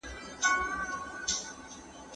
ګاڼې بې ارزښته نه دي.